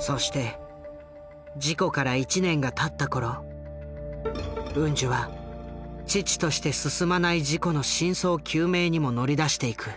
そして事故から１年がたった頃ウンジュは遅々として進まない事故の真相究明にも乗り出していく。